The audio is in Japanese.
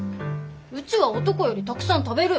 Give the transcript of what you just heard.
うちは男よりたくさん食べる！